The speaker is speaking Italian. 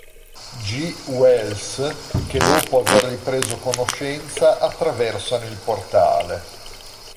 G. Wells, che dopo aver ripreso conoscenza attraversano il portale.